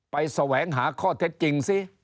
แสวงหาข้อเท็จจริงซิ